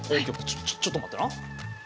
ちょちょっと待ってな。